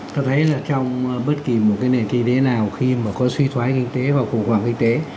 ta thấy là trong bất kỳ một cái nền kinh tế nào khi mà có suy thoái kinh tế và khủng hoảng kinh tế